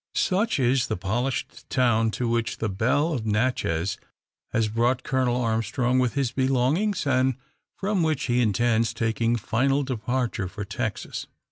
Such is the polished town to which the Belle of Natchez has brought Colonel Armstrong, with his belongings, and from which he intends taking final departure for Texas.